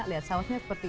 lihat sausnya seperti ini